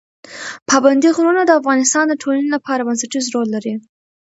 پابندی غرونه د افغانستان د ټولنې لپاره بنسټيز رول لري.